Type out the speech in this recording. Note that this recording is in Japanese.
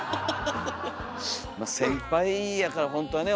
まあ先輩やからほんとはね